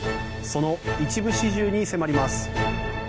その一部始終に迫ります。